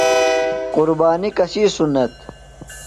قربانیۡ کسی سُنت ؟